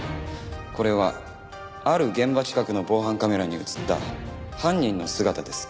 これはある現場近くの防犯カメラに映った犯人の姿です。